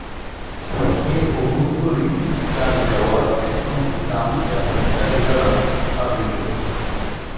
এর অভ্যন্তীণ চার দেওয়াল এখন দামি জাপানি টালি দ্বারা আবৃত।